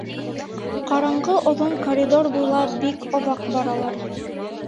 Ҡараңғы оҙон коридор буйлап бик оҙаҡ баралар.